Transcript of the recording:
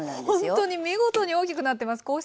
ほんとに見事に大きくなってます。